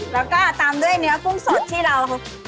แล้วก็ตามด้วยเนื้อกุ้งสดที่เรา